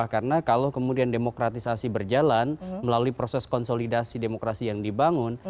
karena kalau kemudian demokratisasi berjalan melalui proses konsolidasi demokrasi yang dibangun